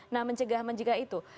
nah mencegah menjegah itu